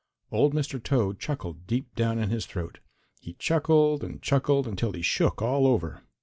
Old Mr. Toad chuckled deep down in his throat. He chuckled and chuckled until he shook all over.